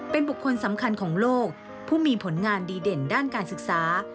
เป็นบุคคลสำคัญของโลกผู้มีผลงานดีเด่นด้านการศึกษา